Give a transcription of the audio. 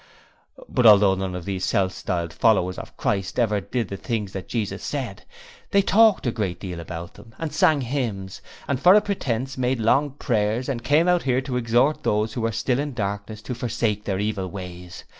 But although none of these self styled 'Followers' of Christ, ever did the things that Jesus said, they talked a great deal about them, and sang hymns, and for a pretence made long prayers, and came out here to exhort those who were still in darkness to forsake their evil ways.